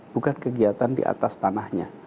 bukan kegiatan di atas tanahnya